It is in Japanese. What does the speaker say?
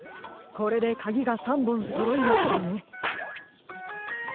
これでかぎが３ぼんそろいましたね。